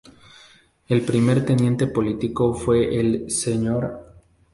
El primer Teniente político fue el Sr.